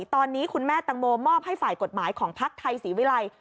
ตอนนี้คุณแม่ตังโมมอบให้ฝ่ายกฎหมายของภักดิ์ไทยศรีวิรัย